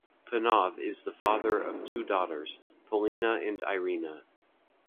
Panov is the father of two daughters, Polina and Irina.